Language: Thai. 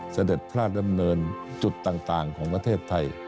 เสด็จพระราชดำเนินจุดต่างของประเทศไทย